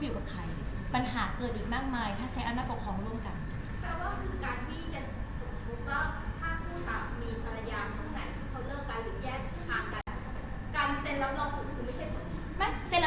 ปัญหาเกิดอีกมากมายถ้าใช้อำนาจปกครองร่วมกัน